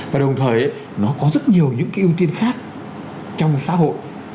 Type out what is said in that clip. và đồng thời nó có rất nhiều những cái ưu tiên khác trong xã hội